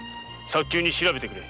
至急調べてくれ。